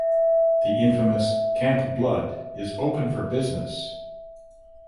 The infamous Camp Blood is open for business!